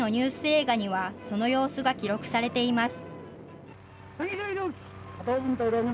映画にはその様子が記録されています。